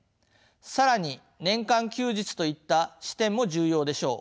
更に年間休日といった視点も重要でしょう。